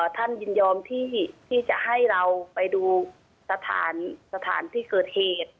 ยินยอมที่จะให้เราไปดูสถานที่เกิดเหตุ